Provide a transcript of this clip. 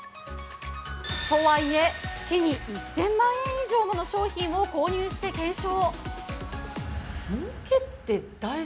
とはいえ、月に１０００万円以上の商品を購入して検証。